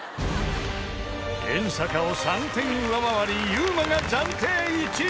［遠坂を３点上回りｙｕｍａが暫定１位に］